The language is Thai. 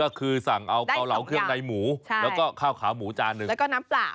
ก็คือสั่งเอาเกาเหลาเครื่องในหมูแล้วก็ข้าวขาวหมูจานหนึ่งแล้วก็น้ำเปล่า